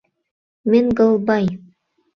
Менгылбай.